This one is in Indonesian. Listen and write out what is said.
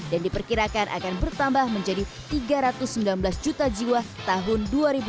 dan diperkirakan akan bertambah menjadi tiga ratus sembilan belas juta jiwa tahun dua ribu empat puluh lima